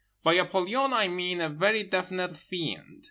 By Apollyon I mean a very definite fiend.